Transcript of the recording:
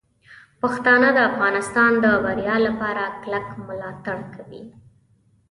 پښتانه د افغانستان د بریا لپاره کلک ملاتړ کوي.